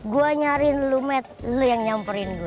gue nyariin lu matt lo yang nyamperin gue